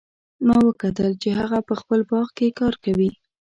ما وکتل چې هغه په خپل باغ کې کار کوي